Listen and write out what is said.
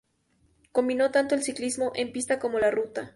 Combinó tanto el ciclismo en pista como la ruta.